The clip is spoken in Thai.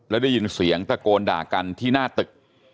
แล้วได้ยินเสียงตะโกนด่ากันที่หน้าตึก